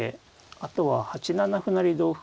あとは８七歩成同歩